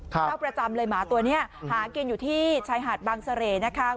เจ้าประจำเลยหมาตัวนี้หากินอยู่ที่ชายหาดบางเสร่นะคะ